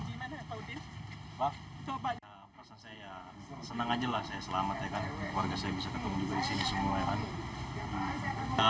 senang aja lah saya selamat ya kan keluarga saya bisa ketemu juga disini semua ya kan